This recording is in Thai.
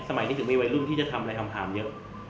สมัยนี้ถึงมีวัยรุ่นที่จะทำอะไรห่ามเยอะ